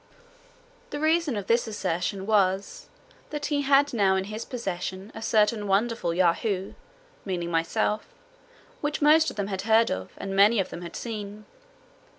The reason of this assertion was, that he had now in his possession a certain wonderful Yahoo (meaning myself) which most of them had heard of, and many of them had seen.